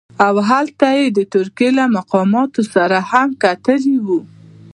او هلته یې د ترکیې له مقاماتو سره هم کتلي وو.